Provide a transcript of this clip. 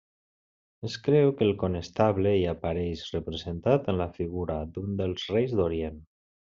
Es creu que el Conestable hi apareix representat en la figura d'un dels reis d'Orient.